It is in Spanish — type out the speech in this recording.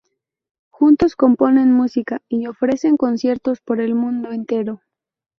Juntos componen música y ofrecen conciertos por el mundo entero.